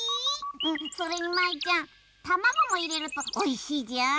うんそれに舞ちゃんたまごもいれるとおいしいじゃーん。